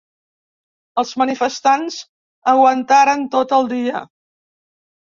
Els manifestants aguantaren tot el dia.